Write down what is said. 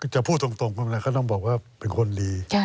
จะพูดตรงก็ต้องบอกว่าเป็นคนดี